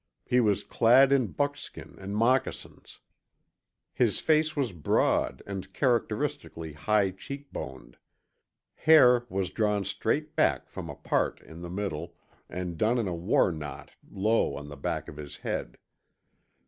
He was clad in buckskin and moccasins. His face was broad and characteristically high cheekboned. Hair was drawn straight back from a part in the middle and done in a war knot low on the back of his head.